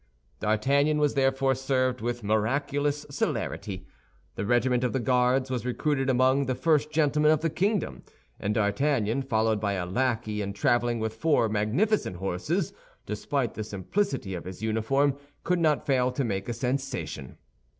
D'Artagnan was therefore served with miraculous celerity. The regiment of the Guards was recruited among the first gentlemen of the kingdom; and D'Artagnan, followed by a lackey, and traveling with four magnificent horses, despite the simplicity of his uniform, could not fail to make a sensation.